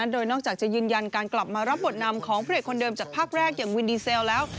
โดยนอกจากจะยืนยันการกลับมารับบทนำของพระเอกคนเดิมจากภาคแรกอย่างวินดีเซลแล้ว